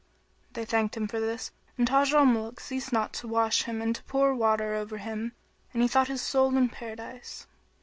'" They thanked him for this, and Taj al Muluk ceased not to wash him and to pour water over him and he thought his soul in Paradise.